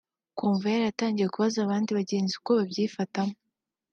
Convoyeur atangiye kubaza abandi bagenzi uko babyifatamo